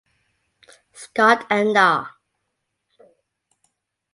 Scott’ and ‘R.